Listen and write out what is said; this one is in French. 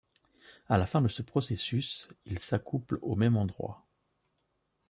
À la fin de ce processus, ils s'accouplent au même endroit.